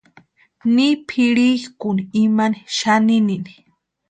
Ni pʼirhikʼuni imani xaninini.